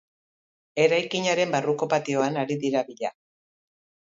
Eraikinaren barruko patioan ari dira bila.